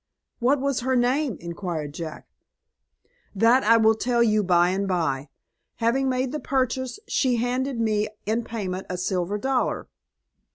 "What was her name?" inquired Jack. "That I will tell you by and by. Having made the purchase, she handed me in payment a silver dollar.